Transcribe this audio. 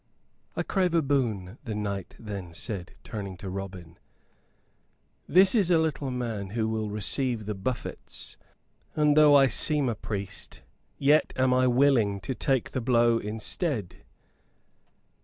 "I crave a boon," the knight then said, turning to Robin. "This is a little man who will receive the buffets; and though I seem a priest, yet am I willing to take the blow instead."